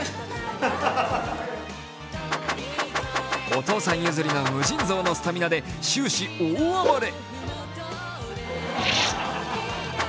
お父さん譲りの無尽蔵のスタミナで終始、大暴れ。